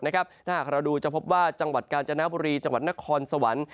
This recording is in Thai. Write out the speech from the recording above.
ถ้าหากเราดูจะพบว่าจังหวัดกาญจนบุรีจังหวัดนครสวรรค์